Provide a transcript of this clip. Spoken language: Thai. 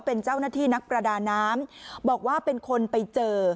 เป็นเจ้าหน้าที่นักประดาน้ำบอกว่าเป็นคนไปเจอ